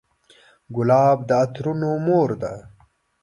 ګلاب د عطرونو مور ده.